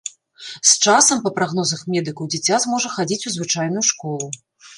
З часам, па прагнозах медыкаў, дзіця зможа хадзіць у звычайную школу.